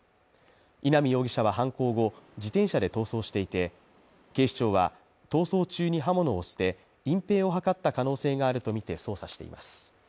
稲見容疑者は犯行後、自転車で逃走していて、警視庁は逃走中に刃物を捨て隠蔽を図った可能性があるとみて捜査しています。